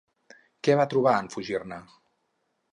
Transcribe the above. Què va trobar, en fugir-ne?